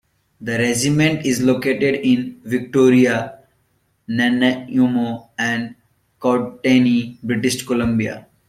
The regiment is located in Victoria, Nanaimo, and Courtenay, British Columbia.